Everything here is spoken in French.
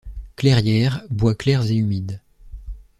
Clairières, bois clairs et humides.